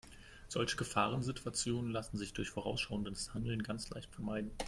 Solche Gefahrensituationen lassen sich durch vorausschauendes Handeln ganz leicht vermeiden.